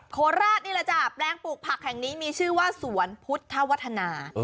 โคราชนี่แหละจ้ะแปลงปลูกผักแห่งนี้มีชื่อว่าสวนพุทธวัฒนา